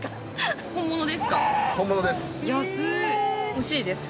欲しいです！